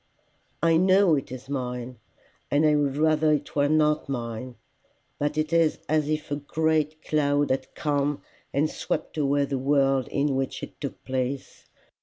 I know it is mine, and I would rather it were not mine, but it is as if a great cloud had come and swept away the world in which it took place.